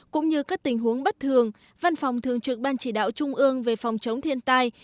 cũng như các tình huống bất thường văn phòng thường trực ban chỉ đạo trung ương về phòng chống thiên tai